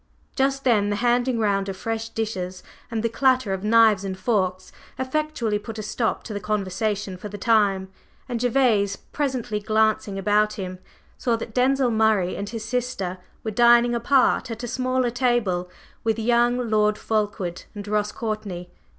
Just then the handing round of fresh dishes and the clatter of knives and forks effectually put a stop to the conversation for the time, and Gervase presently glancing about him saw that Denzil Murray and his sister were dining apart at a smaller table with young Lord Fulkeward and Ross Courtney.